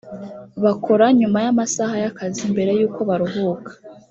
bakora nyuma y amasaha y akazi mbere y uko baruhuka